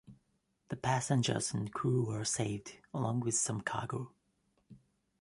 The passengers and crew were saved, along with some cargo.